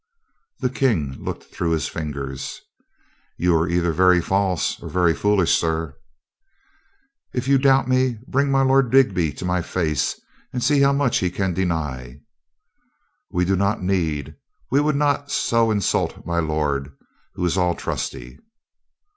The King looked through his fingers. "You are either very false or very foolish, sir." "li you doubt me, bring my Lord Digby to my face and see how much he can deny." "We do not need. We would not so insult my lord, who is all trusty."